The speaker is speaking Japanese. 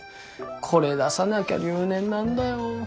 これ出さなきゃ留年なんだよ。